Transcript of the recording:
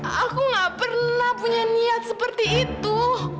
aku gak pernah punya niat seperti itu